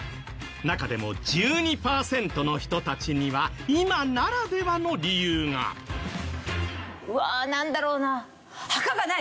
中でも１２パーセントの人たちには今ならではの理由が。うわなんだろうな？